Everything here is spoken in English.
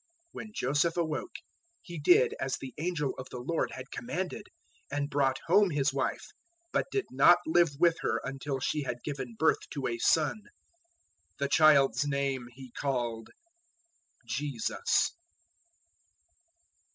001:024 When Joseph awoke, he did as the angel of the Lord had commanded, and brought home his wife, 001:025 but did not live with her until she had given birth to a son. The child's name he called JESUS.